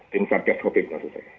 tim satgas covid maksud saya